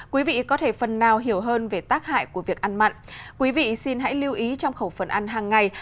quý vị có thể phần nào hiểu hơn về tác hại của bệnh nhân